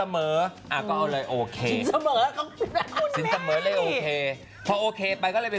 มันต้องมีภาพ